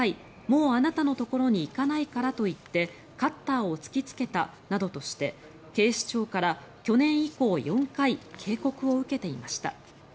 もうあなたのところに行かないからと言ってカッターを突きつけたなどとして警視庁から去年以降４回警告を受けていました。